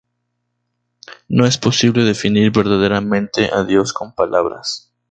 No es posible definir verdaderamente a Dios con palabras.